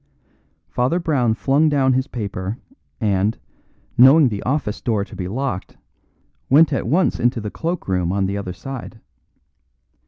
Father Brown flung down his paper, and, knowing the office door to be locked, went at once into the cloak room on the other side.